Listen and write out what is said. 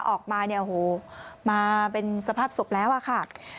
ออกมาเนี่ยโอ้โหมาเป็นสภาพศพแล้วอะค่ะ